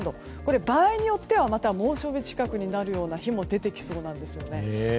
場合によっては猛暑日近くになる日も出てきそうなんですよね。